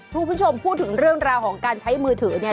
คุณผู้ชมพูดถึงเรื่องราวของการใช้มือถือเนี่ย